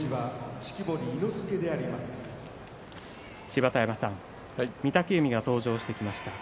芝田山さん御嶽海が登場してきました。